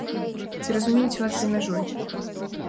Ці разумеюць вас за мяжой?